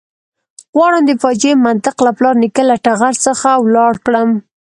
غواړم د فاجعې منطق له پلار نیکه له ټغر څخه ولاړ کړم.